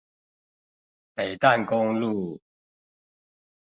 北淡公路